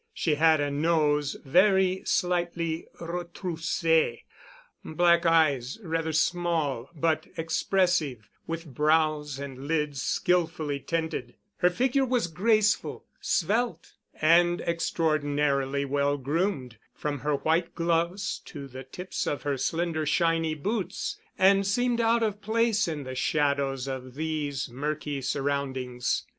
She had a nose very slightly retroussé, black eyes, rather small but expressive, with brows and lids skillfully tinted; her figure was graceful, svelte, and extraordinarily well groomed, from her white gloves to the tips of her slender shiny boots, and seemed out of place in the shadows of these murky surroundings.